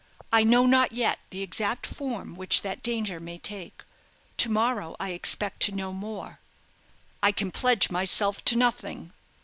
I know not yet the exact form which that danger may take. To morrow I expect to know more." "I can pledge myself to nothing."